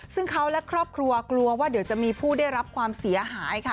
ซึ่งเขาและครอบครัวกลัวว่าเดี๋ยวจะมีผู้ได้รับความเสียหายค่ะ